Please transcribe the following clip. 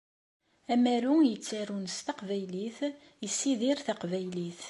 Amaru yettarun s Taqbaylit yessidir Taqbaylit.